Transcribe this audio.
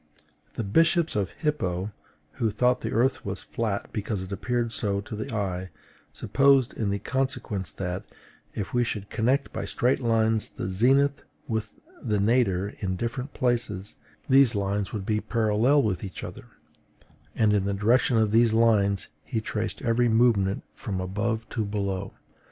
The bishop of Hippo, who thought the earth flat because it appeared so to the eye, supposed in consequence that, if we should connect by straight lines the zenith with the nadir in different places, these lines would be parallel with each other; and in the direction of these lines he traced every movement from above to below.